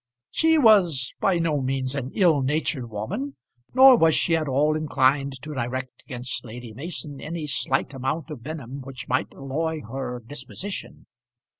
She was by no means an ill natured woman, nor was she at all inclined to direct against Lady Mason any slight amount of venom which might alloy her disposition.